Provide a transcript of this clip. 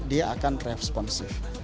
dia akan responsif